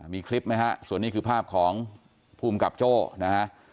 มีคลิปไหมฮะส่วนนี้คือภาพของภูมิกับโจ้นะฮะ